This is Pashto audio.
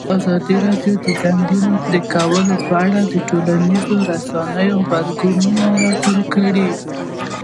ازادي راډیو د د ځنګلونو پرېکول په اړه د ټولنیزو رسنیو غبرګونونه راټول کړي.